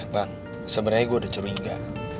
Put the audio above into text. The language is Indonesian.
bang sebenarnya gue udah curiga